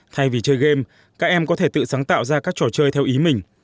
thay vì chơi game các em có thể tự sáng tạo ra các trò chơi theo ý mình